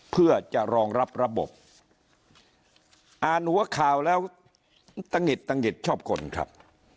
เพื่อจะรองรับระบบอ่านหัวข่าวแล้วตะหงิดตะหงิดชอบคนครับ